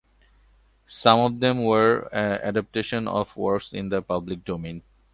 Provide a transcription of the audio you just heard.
Some of them were adaptations of works in the public domain.